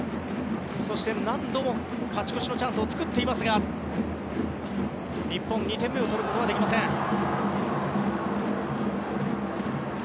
そして、何度も勝ち越しのチャンスを作っていますが日本、２点目を取ることができません。